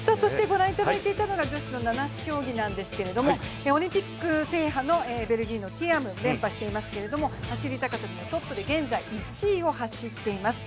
御覧いただいていたのが女子の七種競技なんですけどオリンピック制覇のベルギーのティアム、連覇していますけれども、走高跳のトップで現在１位を走っています。